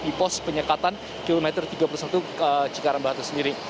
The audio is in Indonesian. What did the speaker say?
di pos penyekatan kilometer tiga puluh satu cikarang barat sendiri